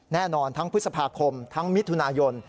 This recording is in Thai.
แน่นอนทั้งพฤษภาคมทั้งมิถุนายน